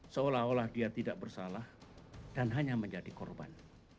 seolah olah dia tidak bersalah dan hanya menjadi korban